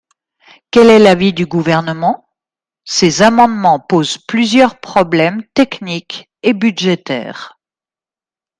Quel est l’avis du Gouvernement ? Ces amendements posent plusieurs problèmes, techniques et budgétaires.